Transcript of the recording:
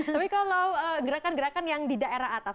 tapi kalau gerakan gerakan yang di daerah atas